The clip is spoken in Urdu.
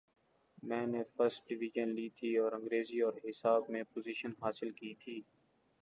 میں نے فرسٹ ڈویژن لی تھی اور انگریزی اور حساب میں پوزیشن حاصل کی تھی۔